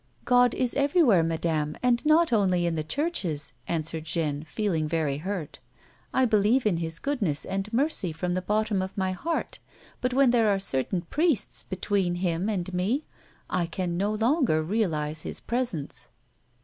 " God is everywhere, madame, and not only in the churches," answered Jeanne, feeling very hurt. " I believe in His goodness and mercy from the bottom of my heart, but when there are certain priests between Him and me, I can no longer realise His presence."